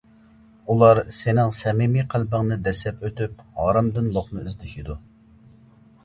ئۇلار سېنىڭ سەمىمىي قەلبىڭنى دەسسەپ ئۆتۈپ ھارامدىن لوقما ئىزدىشىدۇ.